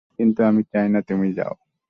কিন্তু আমি চাই না তুমি যাও।